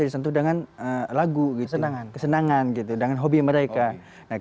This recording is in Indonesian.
disentuh dengan lagu kesenangan kesenangan gitu dengan hobi mereka nah kita bisa lihat